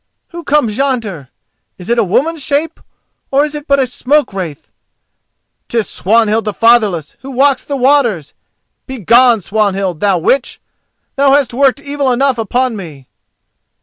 Who comes yonder? Is it a woman's shape or is it but a smoke wraith? 'Tis Swanhild the Fatherless who walks the waters. Begone, Swanhild, thou witch! thou hast worked evil enough upon me.